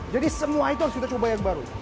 jadi semua itu harus kita coba yang baru